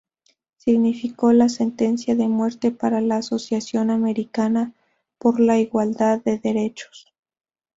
Significó la sentencia de muerte para la Asociación Americana por la Igualdad de Derechos.